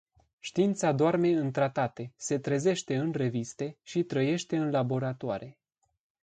Știința doarme în tratate, se trezește în reviste și trăiește în laboratoare.